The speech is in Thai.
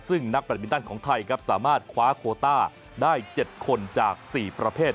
ซึ่งนักแบตมินตันของไทยครับสามารถคว้าโคต้าได้๗คนจาก๔ประเภท